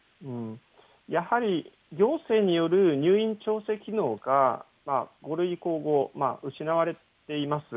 やはり行政による入院調整機能が５類移行後、失われています。